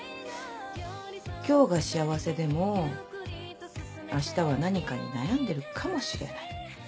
今日が幸せでも明日は何かに悩んでるかもしれない。